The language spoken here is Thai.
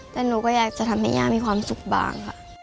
แต่หนูก็อยากจะทำให้ย่ามีความสุขบ้างค่ะ